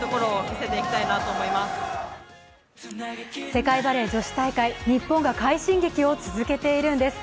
世界バレー女子大会、日本が快進撃を続けているんです。